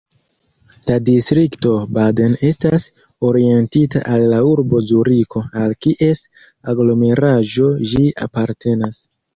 La distrikto Baden estas orientita al la urbo Zuriko al kies aglomeraĵo ĝi apartenas.